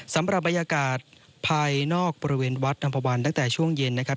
สำหรับบรรยากาศภายนอกบริเวณวัดนัมภาวันตั้งแต่ช่วงเย็นนะครับ